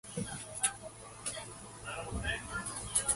A cabinet minister remains in office solely at the pleasure of the Premier.